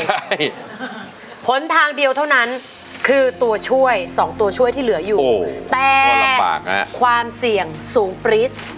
ใช่ผลทางเดียวเท่านั้นคือตัวช่วย๒ตัวช่วยที่เหลืออยู่แต่ความเสี่ยงสูงปรี๊ด